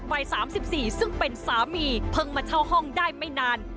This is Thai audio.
วัย๓๔ซึ่งเป็นสามีเพิ่งมาเช่าห้องได้ไม่นาน